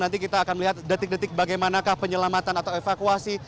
nanti kita akan melihat detik detik bagaimanakah penyelamatan atau evakuasi